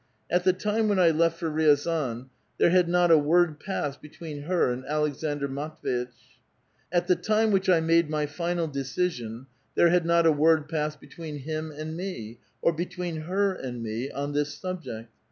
At the time when I left for Riazan, there had not a word passed between h(*r and Aleksandr Matv^itch ; at the time which I made my final decision there had not a word passed between him and me, or between her and me, on this subject.